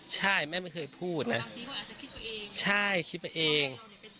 ใช่แม่ไม่เคยพูดนะใช่คิดไปเอง